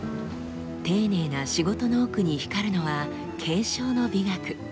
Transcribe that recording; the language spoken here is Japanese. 丁寧な仕事の奥に光るのは継承の美学。